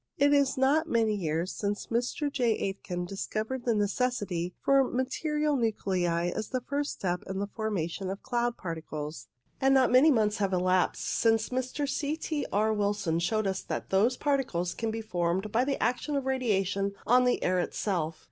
It is not many years since Mr. J. Aitken discovered the necessity for material nuclei as a first step in the formation of cloud particles, and not many months have elapsed since Mr. C. T. R. Wilson showed that those par ticles can be formed by the action of radiation on the air itself.